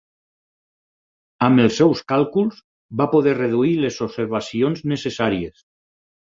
Amb els seus càlculs, va poder reduir les observacions necessàries.